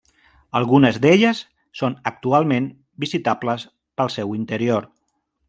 Algunes d'elles són actualment visitables pel seu interior.